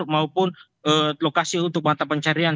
maupun lokasi untuk mata pencarian